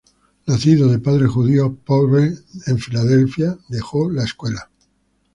Nacido de padres judíos pobres en Philadelphia, dejó la escuela.